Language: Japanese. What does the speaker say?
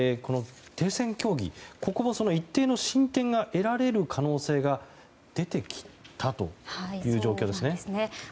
停戦協議、ここも一定の進展が得られる可能性が出てきたという状況ですね。